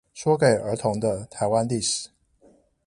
說給兒童的臺灣歷史